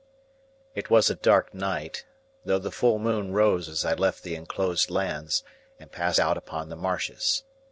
It was a dark night, though the full moon rose as I left the enclosed lands, and passed out upon the marshes.